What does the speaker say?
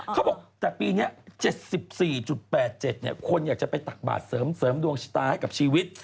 เขาบอกแต่ปีนี้๗๔๘๗คนอยากจะไปตักบาทเสริมดวงชะตาให้กับชีวิต